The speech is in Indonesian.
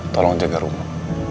tolong jaga rumah